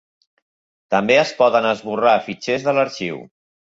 També es poden esborrar fitxers de l'arxiu.